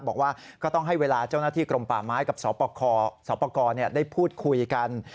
บอกว่าก็ต้องให้เวลาเจ้าหน้าที่กรมป่าไม้กับสปกรได้พูดคุยกัน